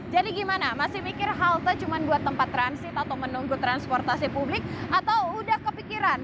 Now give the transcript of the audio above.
jadi gimana masih mikir halte cuma buat tempat transit atau menunggu transportasi publik atau udah kepikiran